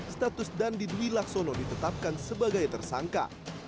status dandi duwilaksono ditetapkan sebagai tersangka